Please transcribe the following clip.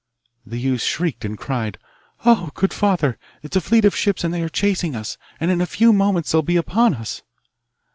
The youth shrieked and cried, 'Ah, good father, it is a fleet of ships, and they are chasing us, and in a few moments they will be upon us.